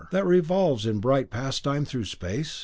that revolves in bright pastime through the space?